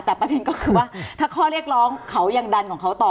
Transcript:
แต่ประเด็นก็คือว่าถ้าข้อเรียกร้องเขายังดันของเขาต่อ